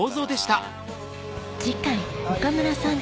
次回岡村さん